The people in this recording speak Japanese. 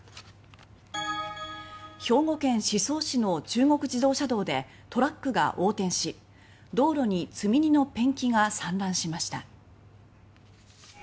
兵庫県宍粟市の中国自動車道でトラックが横転し道路に積み荷のペンキが散乱しました。